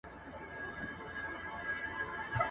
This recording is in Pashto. د ټولني بدلون يو طبيعي بهير دی.